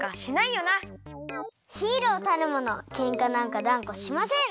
ヒーローたるものケンカなんかだんこしません！